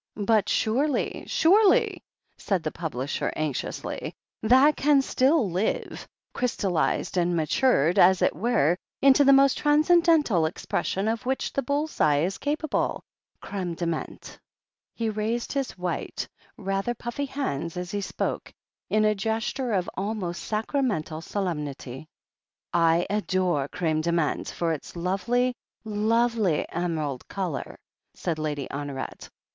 But surely — surely," said the publisher anxiously, that can still live — crystallized and matured, as it were, into the most transcendental expression of which the bull's eye is capable — crime de menthe." He raised his white, rather puffy hands as he spoke, in a gesture of almost sacramental solemnity. "I adore crime de menthe, for its lovely, lovely eme'ald colour," said Lady Honoret.